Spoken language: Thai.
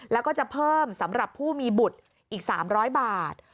แล้วก็จะเพิ่มสำหรับผู้มีบุตรอีก๓๐๐บาท